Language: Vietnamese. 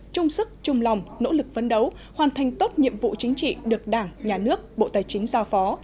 chung sức chung lòng nỗ lực vấn đấu hoàn thành tốt nhiệm vụ chính trị được đảng nhà nước bộ tài chính giao phó